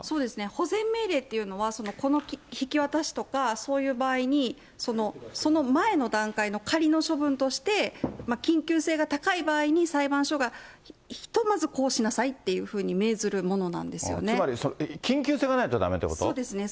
保全命令っていうのは、この引き渡しとか、そういう場合に、その前の段階の仮の処分として、緊急性が高い場合に、裁判所がひとまずこうしなさいっていうふうに命ずるものなんですつまり緊急性がないとだめっそうですね。